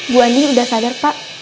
bu andi udah sadar pak